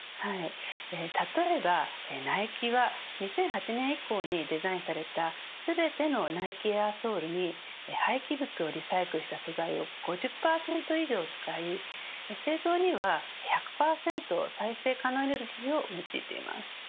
例えば、ナイキは２００８年以降にデザインされた全てのＮｉｋｅＡｉｒソールに廃棄物をリサイクルした素材を５０％以上使い、製造には１００％再生可能エネルギーを用いています。